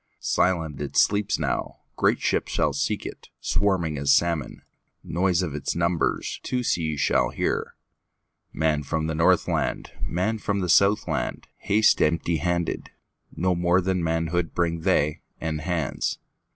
Silent it sleeps now; Great ships shall seek it, Swarming as salmon; Noise of its numbersTwo seas shall hear. Man from the Northland, Man from the Southland, Haste empty handed; No more than manhoodBring they, and hands.